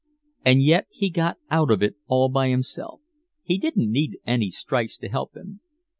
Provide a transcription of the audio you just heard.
And yet he got out of it all by himself. He didn't need any strikes to help him."